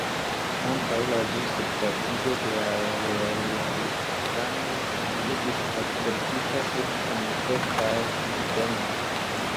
Ankaŭ la ĝisdatigo de la realigplano estis akceptita, sed kun kelkaj aldonoj.